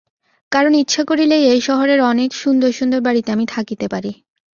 কারণ ইচ্ছা করিলেই এই শহরের অনেক সুন্দর সুন্দর বাড়ীতে আমি থাকিতে পারি।